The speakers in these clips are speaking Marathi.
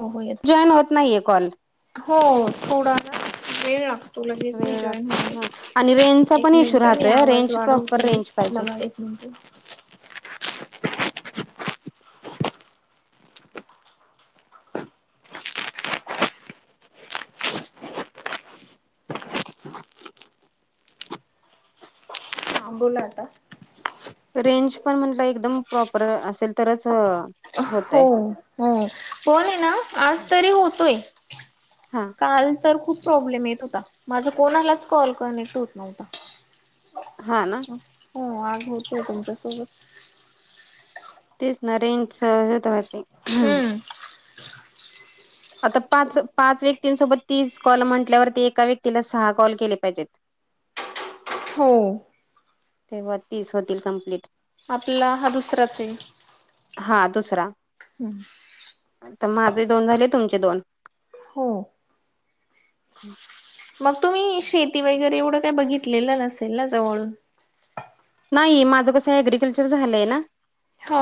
हो होल जॉईन होत नाहीये कॉल हो थोडा वेळ लागतो. तू लगेच मी वेळ जॉईन लागतो हा आणि रेंजचा होते एक पण इश्यू मिनट मी राहतोय आवाज रेंज प्रॉपर वाढवते रेंज पाहिजे मला नंत हां बोला आता रेंज पण म्हटलं एकदम प्रॉपर असेल तरच हो होतय हो बण आहे ना आज तरी होतोय. हा काल तर खूप प्रॉब्लेम येत होता माझा कोणालाच कॉल करनेट होत नव्हता. हा ना हो आग होतय तुमच्यासोबत तेच ना रेंज च हेत राहते हम्म. आता पाच-पाच व्यक्तींसोबत तीस कॉल म्हटल्यावरती एका व्यक्तीला सहा कॉल केले पाहिजेत. हो. तेव्हा तीस होतील कंम्प्लीट आपला हा दुसराचय हा दुसरा हम्म. आता माझे दोन झाले, तुमचे दोन. हो. मग तुम्ही शेती वगैरे एवढं काय बघितलेलं नसेल ना जवळून? नाही माझं कसं एग्रीकल्चर झालंय ना. हा.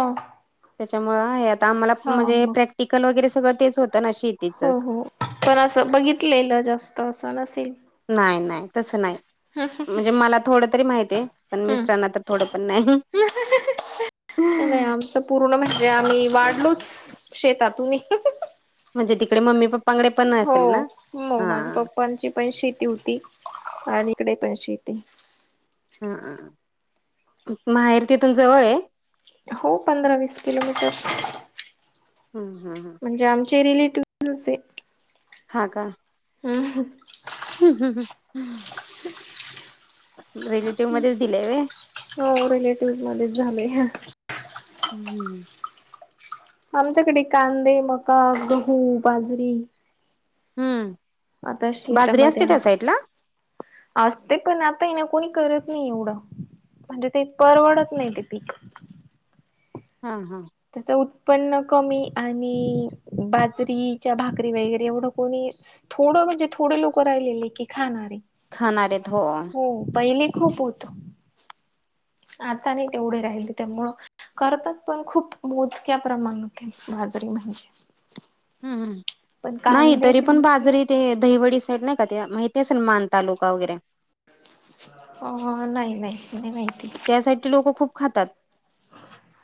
त्याच्यामुळे आहे आता आम्हाला हा म्हणजे मग प्रॅक्टिकल वगैरे सगळं तेच होतं ना शी हो हो, पण असं बघितलेलं जास्त असं नसेल. नाय नाय तसं नाय म्हणजे मला थोडं तरी माहितीये पण हम्म. मिस्टरांना तर थोडं पण नाही नाय नाय आमचं पूर्ण म्हणजे आम्ही वाढलोच शेतातूनये. म्हणजे तिकडे मम्मी पप्पांकडे पण असेल ना? हा. पणची पण शेती होती आणि इकडे पण शेती. माहेर तिथून जवळये. हो पंधरा वीस किलोमीटर. हम्म हा हा. म्हणजे आमचे रिलेटिव्हझच ये. हा का? [unintelligible] [unintelligible] रिलेटिव्ह मध्येच दिलय व्हय? हो रिलेटिव्हजच मध्येच झालय. हम्म. आमच्याकडे कांदे, मका, गहू, बाजरी हम्म. आता बाजरी शेतामध्ये असते त्या साईडला? असते पण आता येना कोणी करत नाही एवढं. म्हणजे ते परवडत नाही ते पीक. हा हा. त्याच उत्पन्न कमी आणि बाजरीच्या भाकरी वगैरे एवढं कोणीच थोडं म्हणजे थोडे लोक राहिलेले की खाणारे, खाणार आहेत हो पहिले खूप होत [unintelligible] आता नाई तेवढे राहिले त्यामुळं करतात पण खूप मोजक्या प्रमाणात बाजरी म्हणजे हम्म हम्म. पण नाही कांदे तरी पण म्हणजे बाजरी ते दहीवडी साईड नाही का? ते माहिती असेल मान तालुका वगैरे. अ नाही नाही नाही माहिती. त्यासाठी लोकं खूप खातात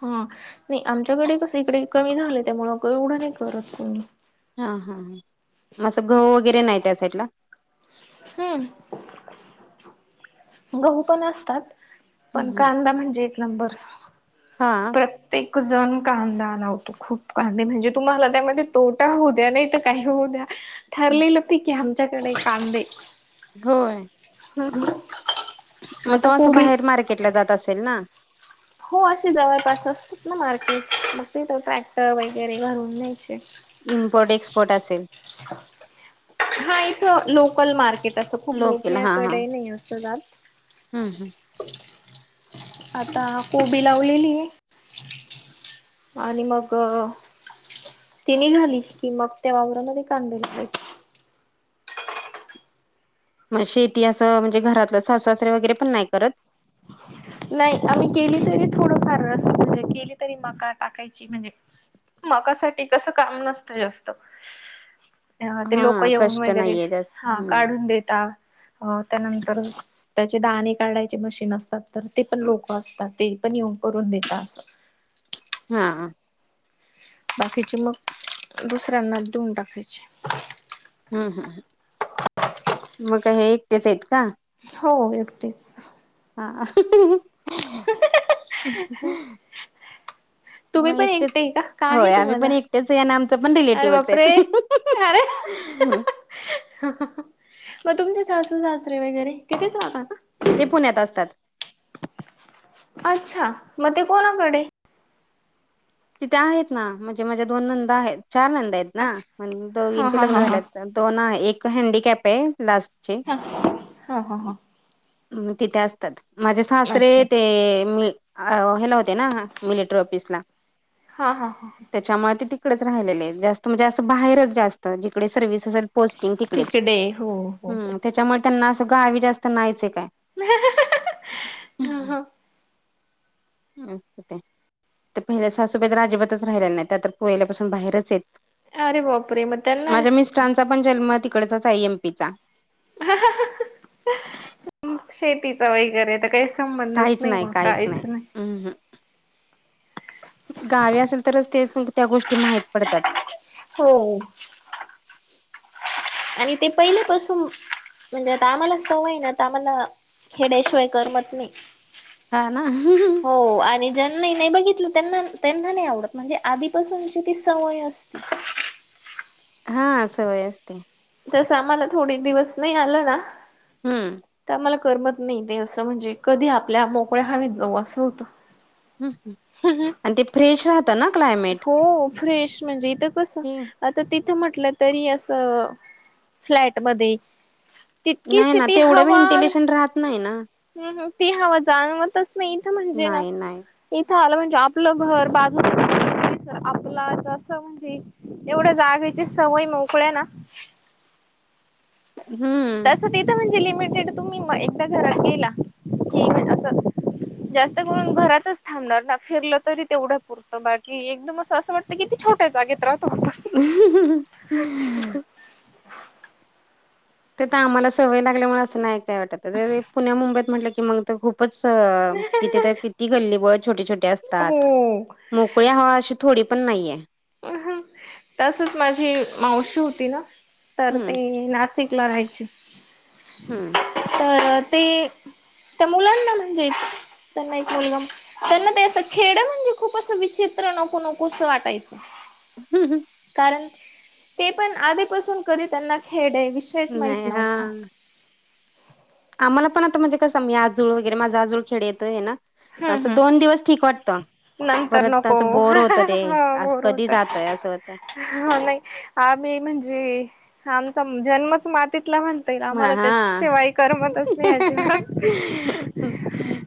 हा नाही आमच्याकडे कस इकडे कमी झालं, त्यामुळं क एवढं नाही करत कोणी. हा हा हा. म असं घऊ वगैरे नाही त्या साईडला? हम्म गहू पण असतात. पण हम्म कांदा म्हणजे एक नंबर. हा. प्रत्येक जन कांदा लावतो. खूप काळ नाही म्हणजे, तुम्हाला त्यांमध्ये तोटा होऊ द्या, नाही तर काही होऊ द्या. ठरलेलं पिके आमच्याकडे कांदे. होय. हम्म. मग तो असं बाहेर मार्केटला जात असेल ना. हो असे जवळपास असतात ना, मार्केट मग तिथं ट्रॅक्टर वगैरे भरून न्यायचे. इम्पोर्ट एक्सपोर्ट असेल. हा इथं लोकल मार्केट असं, खूप लोकल मोठ्याकडे नाही असं जात. हां हां. आता कोबी लावलेली ये. आणि मग ति निघाली कि, मग त्या वावररामध्ये कांदे लावायची. शेती असं म्हणजे, घरातलं सासूसासरे वगैरे पण नाही करत. नाई आम्ही केली तरी थोडं फार असं म्हणजे, केली तरी मका टाकायची म्हणजे मकासाठी कसं, काम नसत जास्त. ते हा लोक येऊन कष्ट वगैरे, नाहीये जास्त हा हम्म काढून देेतात. अ.. त्यानंतर त्याचे दाणे काढायचे मशीन असतात. तर ते पण लोक असतात, ते पण येऊन करून देतात असं. हां. बाकीचे मग, दुसऱ्यांना देऊन टाकायचे. ह.. ह.. मग हे एकटेच आहेत का? हो एकटेच. हां. तुम्ही मग पण एकटेच एकटे का का आहे होय. आम्ही तुम्हाला पण एकटेच या ना आमचं पण अरे रिलेटिव्हच बापरे आहेत. अरे [inaudible] मग तुमचे सासू सासरे वगैरे तिथेच राहता का? ते पुण्यात असतात. अच्छा, मग ते कोणाकडे. तिथे आहेत ना, म्हणजे माझ्या दोन नंदा आहेत. चार नंदा आहेत ना, अच्छा हा दोघीचे हा लग्न हा हा झाल्यात. दोन एक हँडीकॅप आहे लास्ट. हा हा हा हा. तिथे असतात. माझे सासरे अच्छा ते म अ- हेला होते ना, मिलिटरी ऑफिस ला. हा हा हा. त्यांच्यामुळे ते तिकडेच राहिलेले जास्त म्हणजे, असं बाहेरच जास्त जिकडे सर्व्हस असेल. पोस्टिंग तिकडेच, तिकडे हो हो हो. हम.. त्यांच्यामुळे त्यांना अस गावी जास्त नाहीये चं काय. [inaudible] ह. अ.. ते पहिल्या सासूबाई अजिबातच राहिलेल्या नाही त्या तर पहिल्यापासून बाहेरच येत. अरे बापरे! मगं [unintelligible] त्यापण जन्म तिकडचाच आय एमपीचा. शेतीत. वगैरे तर काही संबंधच नाही, मग काहीच नाही. गावी असेल तरच ते, त्या गोष्टी माहीत पडतात. हो. आणि ते पहिल्यापासून म्हणजे, आता आम्हाला सवय ना ते आम्हांला. खेड्याशिवाय करमत नी. हां. ना.. हो आणि ज्यांना नाही बघितलं त्यांना, त्यांना नाही आवडत म्हणजे आधीपासूनची ती सवय असती. हा, सवय असते. तस आम्हांला थोडे दिवस नाही आलं ना. हम्म तर आम्हाला, करमत नाही. ते असं म्हणजे कधी आपल्या मोकळ्या हवेत जाऊ असं होतं. हं. हं. आणि ते फ्रेश राहतं ना क्लायमेट हो फ्रेश म्हणजे इथं कस? ते आता तिथं म्हटलं तरी असं- फ्लॅटमध्ये. नाही तितकीशी ना ती तेवढं हवा- व्हेंटिलेशन राहत नाही ना हं हं. ती हवा जाणवतच नाही. ईथ म्हणजे ना? नाही नाही इथं आलं म्हणजे? आपलं घर, बाजू परिसर आपला जस म्हणजे? एवढ्या जागेची सवय मोकळ्या ना? हम्म. तिथे म्हणजे लिमिटेड. तुम्ही एकदा घरात गेला की असं- [inaudible] जास्त करून घरातच थांबणार ना? फिरलं तरी तेवढया पुरतं. बाकी एकदम असं असं वाट- त किती छोट्या जागेत राहा- [unintelligible] ते आता आम्हाला सवय लागल्यामुळे असं नाही काय वाटत. पुण्या मुंबईत म्हटलं की मग- तर खूपच तिथे तर किती गल्लीबोळ छोटे छोटे असतात. हो मोकळी हवा अशी थोडी पण नाहीये. अ ह. तसच माझी मावशी होती ना? तर हम्म ती नाशिकला राहायची. हम्म. तर ते. त्या मुलांना म्हणजे- त्यांना एक मुलगा. त्यांना ते असं खेड म्हणजे खूप अस विचित्र, नको नकोस वाटायचं. [inaudible] [unintelligible] कारण, ते पण आधीपासून कधी त्यांना खेड हे विषयच नाही माहित हा नव्हता. आम्हाला पण आता म्हणजे कसं? मी आजोळ वगैरे माझ आजूळ खेड्यातए ना? हम्म असं दोन हम् दिवस ठीक वाटतं. नंतर परतं नको तसं बोअर होतं ते. हो आ कधी जातोय असं होत. हो नाही. आम्ही म्हणजे आमचा जन्मच मातीत लहान - तर म आम्हाला हा. त्याचशिवाय करमतच नाही अजिबात. ह ह.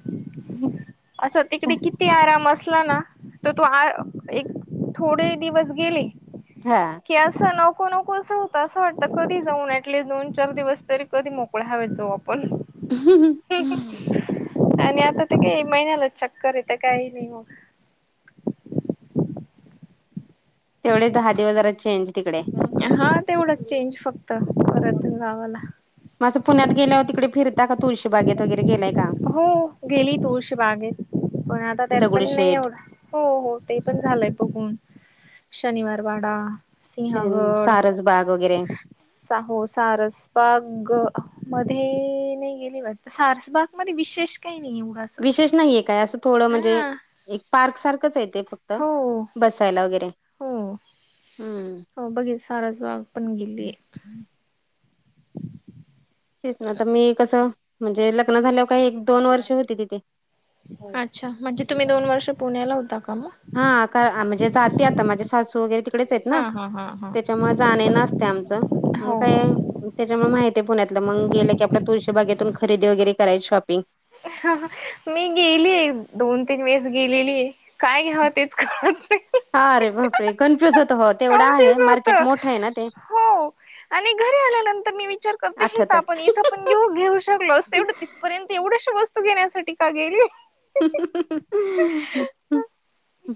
असं तिकडे किती आराम असला ना? तर तो आ. एक थोडे दिवस गेले हा. की असं - नको नकोसं होतं. असं वाटतं कधी जाऊ ऍटलिस्ट दोन चार दिवस तरी कधी मोकळ्या हवेत जाऊ आपण. आणि आता त काय महिन्यालाच चक्करये. तर काही नाही मग. तेवढेच दहा दिवस जरा चेंज. तिकडे. हा. तेवढाच चेंज फक्त. परत गावाला- असं पुण्यात गेल्यावर तिकडे फिरता का? तुळशी बागेत वगैरे गेलाय का? हो. गेली तुळशी बागेत. पण आता त्यात पण नाही दगडूशेठ एवढा. हो हो. ते पण झालंय बघून. शनिवार वाडा- सिंहगड- सारसबाग वगैरे साहो सारसबागमध्ये? नाही गेली वाटत. सारसबागमध्ये विशेष काही नाही एवढं. असं विशेष म्हणजे काय? असं थोडं म्हणजे हा एक पार्क सारखंच आहे. ते फक्त बसायला वगैरे. हम्म. हम्म. हो बघित सारसबाग पण गेलिये. तेच तेच ना तर मी कसं? म्हणजे लग्न झाल्यावर काही एक दोन वर्ष होती तिथे. अच्छा. म्हणजे तुम्ही दोन वर्ष पुण्याला होता का मग? हा. का म्हणजे जाते आता. माझे सासू वगैरे तिकडेच आहेत ना? हा हा हा हा त्याच्यामुळे जाणे नसते आमचं. म हो काय? त्याच्यामुळे माहिती आहे पुण्यातलं मग गेलं की आपल्या तुळशी भागेतून खरेदी वगैरे करायची शॉपिंग मी गेली आहे दोन तीन वेळेस गेलेली आहे. काय घ्याव तेच का? हा रे बापरे कनफ्युजत होत. तेवढं कम आहे ज होत. मार्केट मोठं आहे ना ते हो आणि घरी आल्यानंतर मी विचार करते हेेत आठवत आपण आहे. इथं. आपण जेव घेऊ शकलो अस तेवढं तिथपर्यंत एवढ्याश वस्तू घेण्यासाठी का गेले. [unintelligible]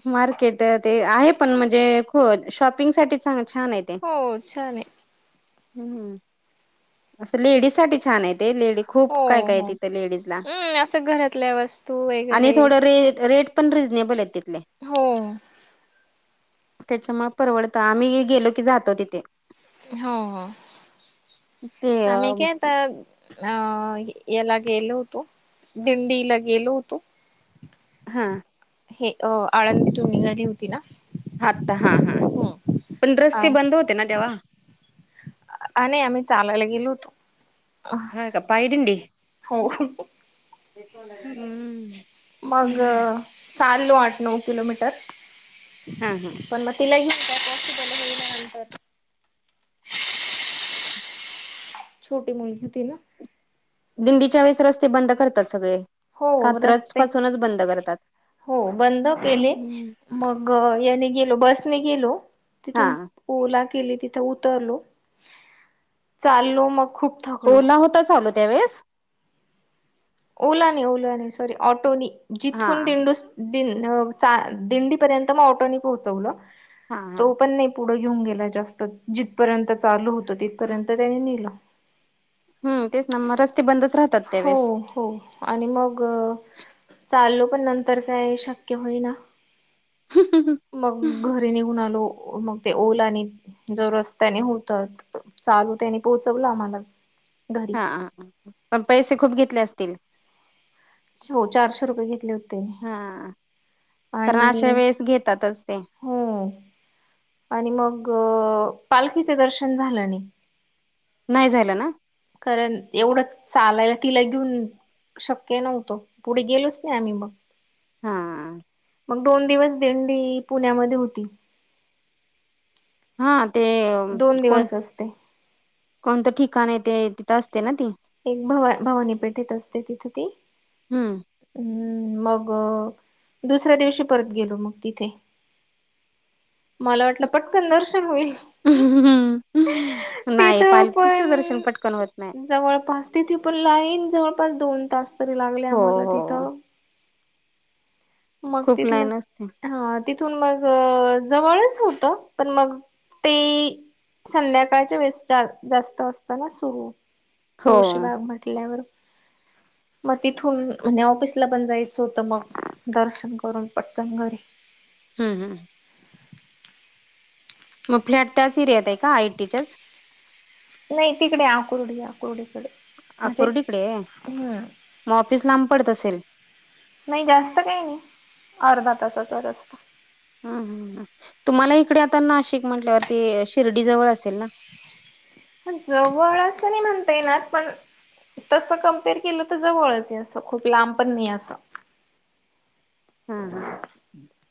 मार्केट ते आहे पण म्हणजे ख शॉपिंग साठी चां छान आहेत. हो छले. हम्म हम. असं लेडीज साठी छान आहे ते लेडीज खूप हो काय काय हो तथ लेडीज ला हम्म असं घरातल्या वस्तू आणि वगैरे थोड रे छान रेट. प रबल तथ. हो त्याच्यामुळे परवडतं आम्ही गेलो की जातो तिथे हो हो ते आम्ही काय आता अ याला गेलो होतो दिंडीला गेलो होतो. हां. हे आळंदीतून निघाली होती ना. हातता हां हां हम्म. पण रस्ते बंद होते ना तेव्हा आणि आम्ही चालायला गेलो होतो. हा कापाय दिंडी हो हम्म. मग चाललो आठ नऊ किलोमीटर हा हा पण म तलाही छोटी मुलगलीतीी ना. दिंडीच्या वेळेस रस्ते बंद करतात सगळे. हो कात्रज रस्ते पासूनच बंद करतात हो बंद केले. मग याने गेलो बसने गेलो हा तिथून ओला केली तिथं उतरलो चाललो मग खूप थकलो ओला होता चालू त्यावेेळेस ओला नाही ओला नाही सॉरी ऑटोनी हा जिथून दिंडूस दिंडी पर्यंत मग ऑटोनी पोहोचवलं हा हा तो पण नाही. पुढं घेऊन गेलाय जास्त जिथपर्यंत चालू होतं तिथपर्यंत त्याने नेलं. हम तेच ना रस्ते बंदच राहत. हो. हो आणि मग चाललो पण नंतर काय शक्य होई ना. मग घरी निघून आलो मग ते ओलानी जर रस्त्याने होत चालू त्यानी पोहोचवलं आम्हाला घरी हा ह पण पैसे खूप घेतले असतील. हो चारशे रुपये घेतले होते. हा कारण अशा आणि वेळेस घेतातच ते हो आणि मग पालखीच दर्शन झालं नाही. नाही झालं ना. कारण एवढंच चालायला तिला घेऊन शक्य नव्हतं पुढे गेलोच नाही आम्ही मग हा. मग दोन दिवस दिंडी पुण्यामध्ये होती. हा ते दोन कोण दिवस असते कोणतं ठिकाण ते तिथं असते ना ती एक भव भवानी पेठेत असते तिथ त हम्म. हम्म मग दुसऱ्या दिवशी परत गेलो मग तिथे मला वाटलं पटकन दर्शन होईल तेथ नाही पण पालखीचं दर्शन पटकन होत नाही जवळपास तिथे पण लाईन जवळपास दोन तास तरी लागले हो आम्हाला हो मग खूप तिथलं लाईन असते हा तिथून मग जवळच होत पण मग ते संध्याकाळच्या वेळेस जा जास्त असतना सुरू हो पुळष भाग म्हटल्यावर मग तिथून म्हणजे ऑफिसला पण जायचं होतं मग दर्शन करून पटकन घरी हम हम मग फ्लॅट त्याच एरियात आहे का आय टीच्याच नाही तिकडे आकुर्डी आकुरडीकडे अकुर्डकडे मग ऑफिस लांब पडत असेल नाही जास्त काही नाही अर्धा तासाचा रस्ता हम ह तुम्हाला इकडे आता नाशिक म्हंटल्यावरती शिर्डी जवळ असेल ना जवळ असं नाही म्हणता येणार पण तसं कमपेअर केलं तर जवळच आहे असं खूप लांब पण नाही असं हम्म हम्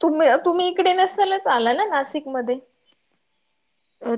तुम् तुम्ही इकडे नसतानाच आला ना नाशिकमध्येध्ये ह